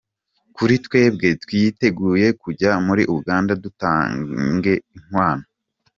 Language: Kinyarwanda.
Kuri twebwe twiteguye kujya muri Uganda dutange inkwano…”